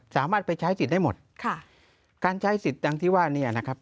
สามารถไปใช้สิทธิ์ได้หมดค่ะการใช้สิทธิ์ดังที่ว่าเนี่ยนะครับ